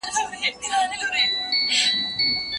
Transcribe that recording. بې مشورې پريکړي هيڅکله ښې پايلي نه لري.